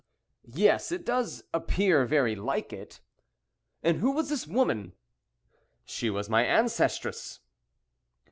"Yes, it does appear very like it." "And who was this woman?" "She was my ancestress."